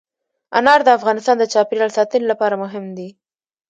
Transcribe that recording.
انار د افغانستان د چاپیریال ساتنې لپاره مهم دي.